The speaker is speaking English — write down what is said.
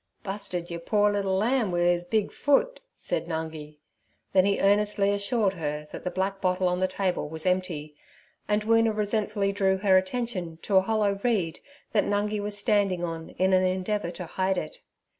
'Busted yer poor little lamb wi' 'is big foot' said Nungi. Then he earnestly assured her that the black bottle on the table was empty, and Woona resentfully drew her attention to a hollow reed that Nungi was standing on in an endeavour to hide it.